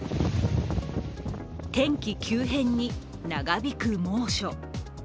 天気急変に長引く猛暑。